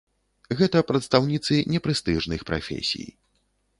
Гэта прадстаўніцы непрэстыжных прафесій.